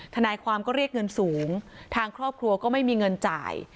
ทนายความก็เรียกเงินสูงทางครอบครัวก็ไม่มีเงินจ่าย